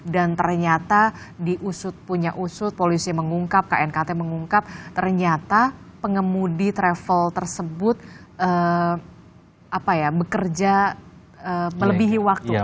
dan ternyata di usut punya usut polisi mengungkap knkt mengungkap ternyata pengemudi travel tersebut bekerja melebihi waktu